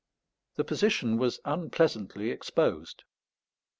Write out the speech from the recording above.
The position was unpleasantly exposed.